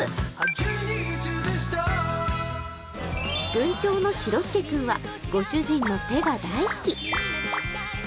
文鳥のしろすけ君は、ご主人の手が大好き。